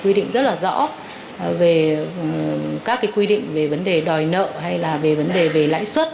quy định rất là rõ về các quy định về vấn đề đòi nợ hay là về vấn đề về lãi suất